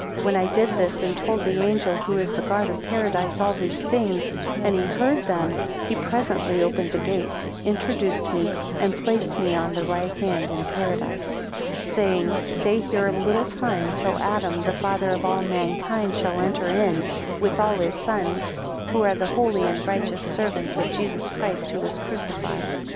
12 When I did this and told the angel who is the guard of Paradise all these things, and he heard them, he presently opened the gates, introduced me, and placed me on the right hand in Paradise, 13 Saying, Stay here a little time, till Adam, the father of all mankind, shall enter in, with all his sons, who are the holy and righteous servants of Jesus Christ, who was crucified.